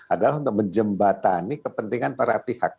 adalah untuk menjembatani kepentingan para pihak